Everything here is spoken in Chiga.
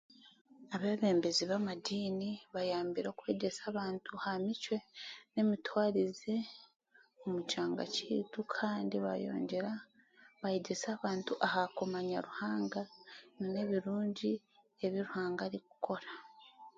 Abeebembezi b'amadiini bayambire okwegyesa abantu aha micwe n'emitwarize omu kyanga kyaitu kandibaayegyesa abantu aha kumanya Ruhanga n'ebirungi rbi Ruhanga arikukora